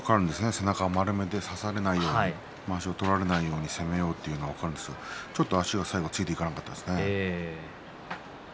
背中を丸めて差されないようにまわしを取られないように攻めようというは分かるんですが最後足がついていかなかったですね。